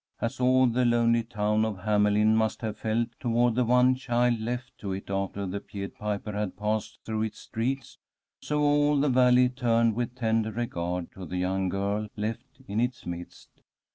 As all the lonely town of Hamelin must have felt toward the one child left to it after the Pied Piper had passed through its streets, so all the Valley turned with tender regard to the young girl left in its midst.